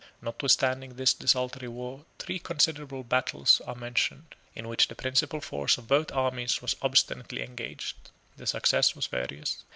Notwithstanding this desultory war, three considerable battles are mentioned, in which the principal force of both armies was obstinately engaged. 34 The success was various.